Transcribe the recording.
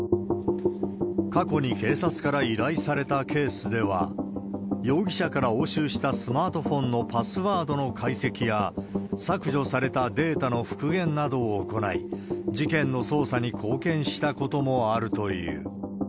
過去に警察から依頼されたケースでは、容疑者から押収したスマートフォンのパスワードの解析や、削除されたデータの復元などを行い、事件の捜査に貢献したこともあるという。